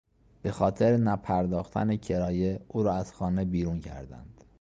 به خاطر نپرداختن کرایه او را از خانه بیرون کردند.